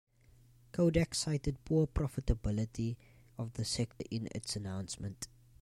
Kodak cited poor profitability of the sector in its announcement.